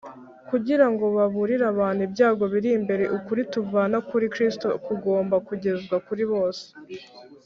kugira ngo baburire abantu ibyago biri imbere ukuri tuvana kuri kristo kugomba kugezwa kuri bose,